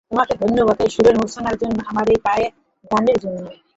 তোমাকে ধন্যবাদ এই সুরের মূর্ছনার জন্য, আমার এই গানের জন্য!